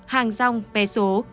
hàng rong bé số